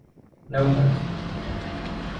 naogont